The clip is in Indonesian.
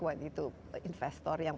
waktu itu investor yang